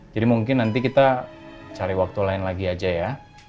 jadi mungkin nanti kita cari waktu lain lagi aja ya